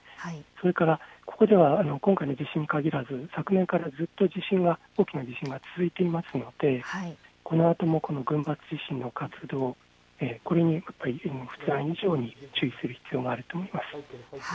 それから今回の地震に限らず昨年からずっと大きな地震が続いていますのでこのあとも群発地震の活動、これに毎日のように注意する必要があると思います。